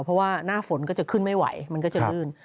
เพราะว่าหน้าฝนก็จะขึ้นไม่ไหวมันก็จะลื่น